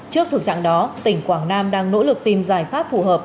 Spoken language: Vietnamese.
trước thực trạng đó tỉnh quảng nam đang nỗ lực tìm giải pháp phù hợp